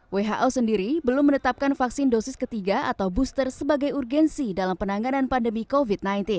who sendiri belum menetapkan vaksin dosis ketiga atau booster sebagai urgensi dalam penanganan pandemi covid sembilan belas